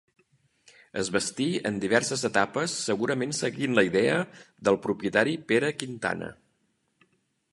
Es bastí en diverses etapes segurament seguint la idea del propietari Pere Quintana.